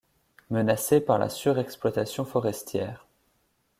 Menacé par la surexploitation forestière.